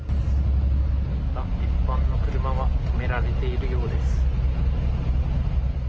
一般の車は止められているようです。